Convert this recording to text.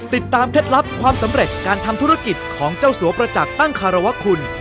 เคล็ดลับความสำเร็จการทำธุรกิจของเจ้าสัวประจักษ์ตั้งคารวะคุณ